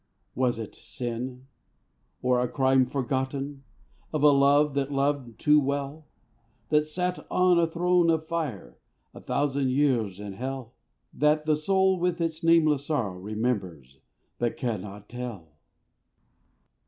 Was it sin? or a crime forgotten? Of a love that loved too well? That sat on a throne of fire A thousand years in hell? That the soul with its nameless sorrow Remembers but can not tell?